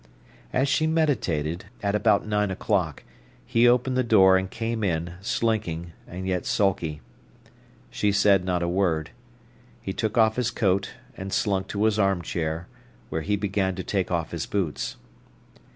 As she meditated, at about nine o'clock, he opened the door and came in, slinking, and yet sulky. She said not a word. He took off his coat, and slunk to his armchair, where he began to take off his boots.